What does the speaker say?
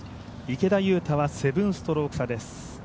池田勇太は７ストローク差です。